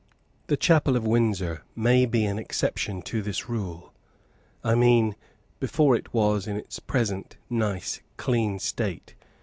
The chapel of Windsor may be an exception to this rule; I mean before it was in its present nice, clean state.